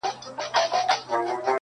دردونه څنګه خطاباسې د ټکور تر کلي.!